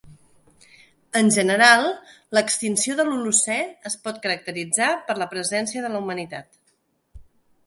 En general, l'extinció de l'Holocè es pot caracteritzar per la presència de la humanitat.